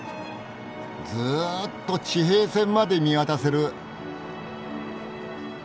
ずっと地平線まで見渡せる。